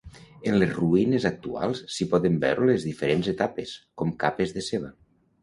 En les ruïnes actuals s'hi poden veure les diferents etapes, com capes de ceba.